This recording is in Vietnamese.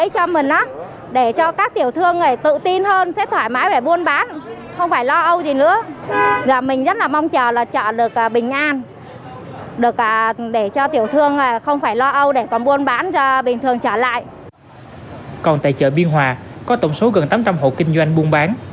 còn tại chợ biên hòa có tổng số gần tám trăm linh hộ kinh doanh buôn bán